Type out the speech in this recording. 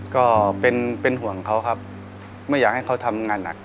ก็เป็นห่วงเขาครับไม่อยากให้เขาทำงานหนัก